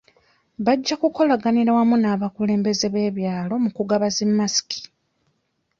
Bajja kukolaganira wamu n'abakulembeze b'ebyalo mu kugaba zi masiki.